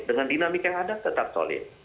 dengan dinamika yang ada tetap solid